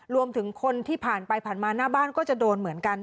รวมถึงคนที่ผ่านไปผ่านมาหน้าบ้านก็จะโดนเหมือนกัน